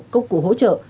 cốc củ hỗ trợ